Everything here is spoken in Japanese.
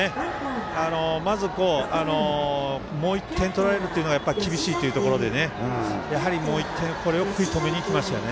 まず、もう一点取られるというのが厳しいというところでやはりもう１点これを食い止めにきましたよね。